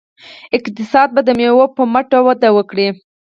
اقتصاد به د میوو په مټ وده وکړي.